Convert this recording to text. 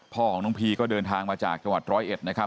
พ่อของน้องพีก็เดินทางมาจากจังหวัดร้อยเอ็ดนะครับ